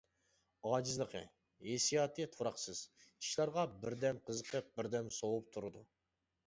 ئاجىزلىقى: ھېسسىياتى تۇراقسىز، ئىشلارغا بىردەم قىزىقىپ، بىردەم سوۋۇپ تۇرىدۇ.